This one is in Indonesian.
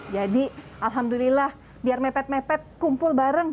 jadi alhamdulillah biar mepet mepet kumpul bareng